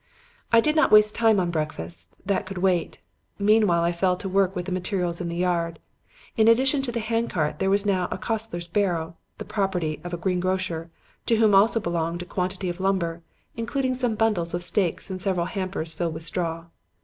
"I did not waste time on breakfast. That could wait. Meanwhile I fell to work with the materials in the yard. In addition to the hand cart, there was now a coster's barrow, the property of a greengrocer, to whom also belonged a quantity of lumber, including some bundles of stakes and several hampers filled with straw.